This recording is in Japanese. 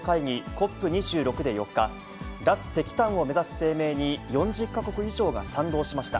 ＣＯＰ２６で４日、脱石炭を目指す声明に、４０か国以上が賛同しました。